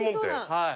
はい。